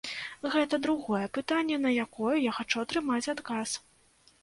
Гэта другое пытанне, на якое я хачу атрымаць адказ.